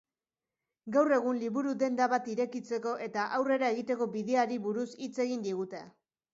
Gaur egun liburu-denda bat irekitzeko eta aurrera egiteko bideari buruz hitz egin digute.